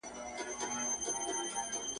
چرگه زما ده، هگۍ د بل کره اچوي.